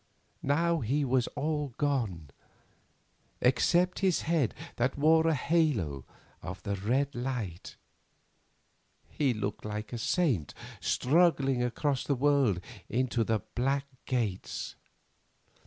Now he was all gone, except his head that wore a halo of the red light. He looked like a saint struggling across the world into the Black Gates.